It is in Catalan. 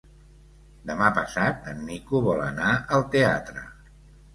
Demà passat en Nico vol anar al teatre.